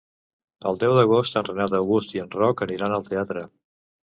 El deu d'agost en Renat August i en Roc aniran al teatre.